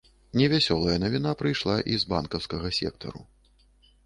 Невясёлая навіна прыйшла і з банкаўскага сектару.